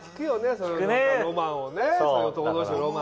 そういうロマンをね男の人のロマン。